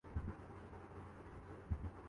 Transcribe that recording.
تو ایٹمی جنگ کا خطرہ کہاں سے آ گیا؟